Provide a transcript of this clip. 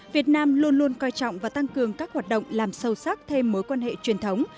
việt nam luôn luôn coi trọng và tăng cường các hoạt động làm sâu sắc thêm mối quan hệ truyền thống